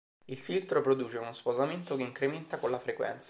Il filtro produce uno sfasamento che incrementa con la frequenza.